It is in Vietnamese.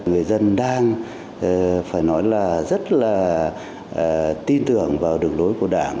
người dân đang phải nói là rất là tin tưởng vào đường lối của đảng